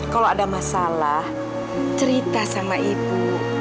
kalau ada masalah cerita sama ibu